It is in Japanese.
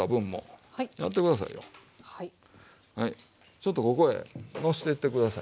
ちょっとここへのしてって下さい。